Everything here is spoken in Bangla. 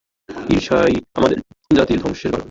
ঈর্ষাই আমাদের জাতির ধ্বংসের কারণ।